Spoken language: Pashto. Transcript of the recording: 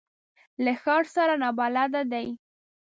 له ښار سره نابلده دي.